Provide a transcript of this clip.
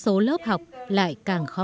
việc duy trì sĩ số lớp học lại càng khó hơn